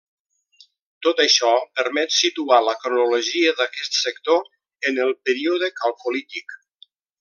Tot això permet situar la cronologia d'aquest sector en el període calcolític.